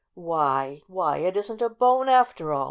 "Why! Why, it isn't a bone after all!"